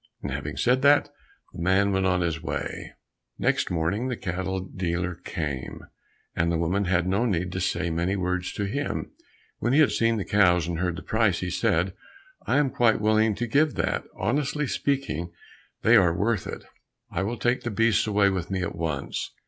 And having said that, the man went on his way. Next morning the cattle dealer came, and the woman had no need to say many words to him. When he had seen the cows and heard the price, he said, "I am quite willing to give that, honestly speaking, they are worth it. I will take the beasts away with me at once."